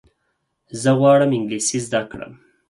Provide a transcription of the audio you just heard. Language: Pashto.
زه غواړم انګلیسي زده کړم.